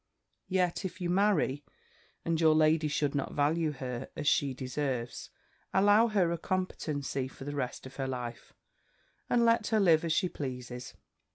Yet if you marry, and your lady should not value her as she deserves, allow her a competency for the rest of her life, and let her live as she pleases.